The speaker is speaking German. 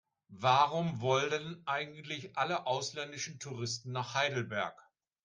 Warum wollen eigentlich alle ausländischen Touristen nach Heidelberg?